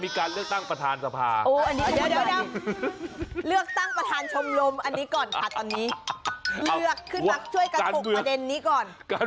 เมื่อกี้ดูคุณไปดูคุณผู้ชมก็คอมเมนต์มา